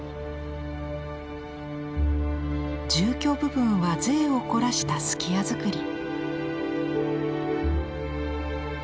住居部分は贅を凝らした数寄屋造り。